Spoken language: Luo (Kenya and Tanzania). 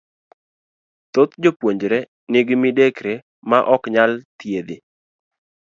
Thoth jopuonjre nigi midekre maok nyal thiedhi,